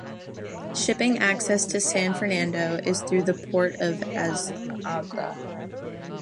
Shipping access to San Fernando is through the Port of Azagra.